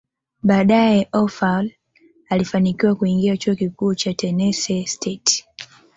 Baadae Oprah alifanikiwa kuingia chuo kikuu cha Tenesse State